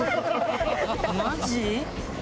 マジ？